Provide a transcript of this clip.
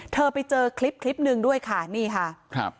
ไปเจอคลิปคลิปหนึ่งด้วยค่ะนี่ค่ะครับ